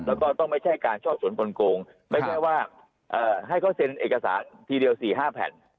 แล้วก็ต้องไม่ใช่การชอบสวนกลงไม่ใช่ว่าให้เขาเซ็นเอกสารทีเดียว๔๕แผ่น